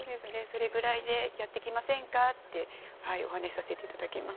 それぐらいでやっていきませんかってお話しさせて頂きます。